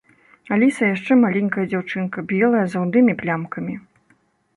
Аліса яшчэ маленькая дзяўчынка, белая з рудымі плямкамі.